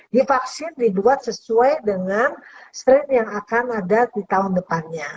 divaksin dibuat sesuai dengan strain yang akan ada di tahun depannya